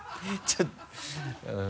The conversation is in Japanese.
ちょっと